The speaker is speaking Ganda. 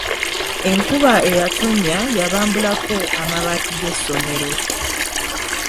Enkuba eyatonnya yabambulako amabaati g'essomero.